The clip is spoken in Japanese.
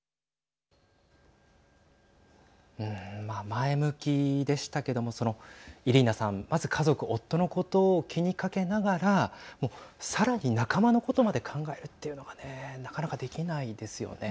前向きでしたけどもそのイリーナさん、まず家族、夫のことを気にかけながらさらに仲間のことまで考えるというのがねなかなかできないですよね。